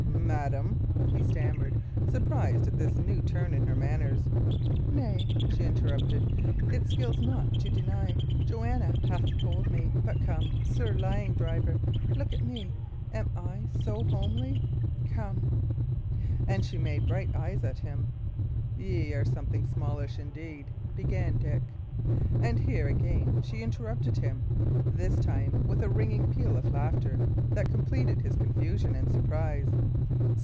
"Madam" he stammered, surprised at this new turn in her manners. "Nay," she interrupted, "it skills not to deny; Joanna hath told me, but come, Sir Lion driver, look at me am I so homely come!" And she made bright eyes at him. "Ye are something smallish, indeed" began Dick. And here again she interrupted him, this time with a ringing peal of laughter that completed his confusion and surprise.